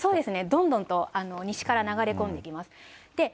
どんどんと西から流れ込んできます。